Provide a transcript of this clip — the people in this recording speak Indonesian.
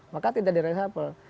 maka tidak di reshuffle